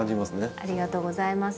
ありがとうございます。